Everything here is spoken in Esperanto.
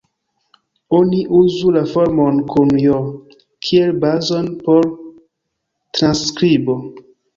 Oni uzu la formon kun "j" kiel bazon por transskribo.